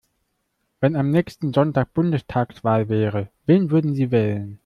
Wenn am nächsten Sonntag Bundestagswahl wäre, wen würden Sie wählen?